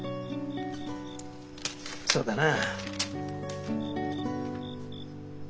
そうだな。